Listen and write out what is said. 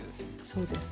そうです。